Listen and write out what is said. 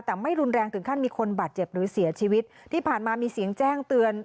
แต่ไม่รุนแรงถึงขั้นมีคนบาดเจ็บหรือเสียชีวิตที่ผ่านมามีเสียงแจ้งเตือน